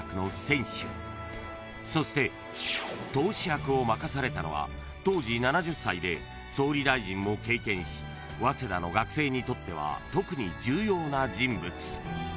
［そして投手役を任されたのは当時７０歳で総理大臣も経験し早稲田の学生にとっては特に重要な人物］